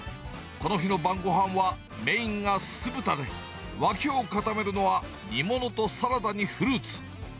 この日の晩ごはんはメインが酢豚で、脇を固めるのは、煮物とサラダにフルーツ。